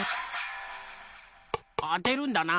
あてるんだな。